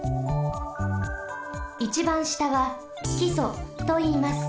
いちばんしたはきそといいます。